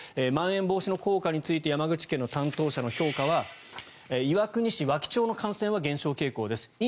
まん延防止の効果について山口県の担当者の評価は岩国市、和木町の感染は減少傾向です